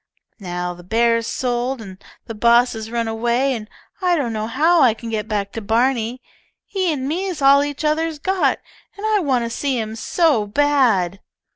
Now the bear's sold and the boss has run away, and I don't know how I can get back to Barney. Him an me's all each other's got, and I want to see him so bad."